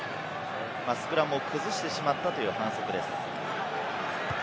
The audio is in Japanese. スクラムを崩してしまったという反則です。